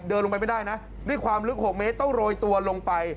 เดินลงไปไม่ได้นะด้วยความลึก๖เมตรต้องโรยตัวลงไป